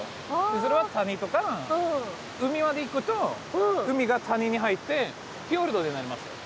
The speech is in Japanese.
それは谷とか海まで行くと海が谷に入ってフィヨルドになりますよ。